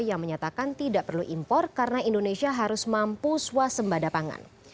yang menyatakan tidak perlu impor karena indonesia harus mampu swasembada pangan